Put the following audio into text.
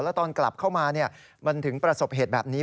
แล้วตอนกลับเข้ามามันถึงประสบเหตุแบบนี้